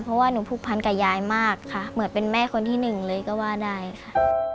เพราะว่าหนูผูกพันกับยายมากค่ะเหมือนเป็นแม่คนที่หนึ่งเลยก็ว่าได้ค่ะ